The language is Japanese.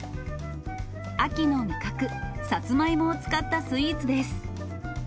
秋の味覚、サツマイモを使ったスイーツです。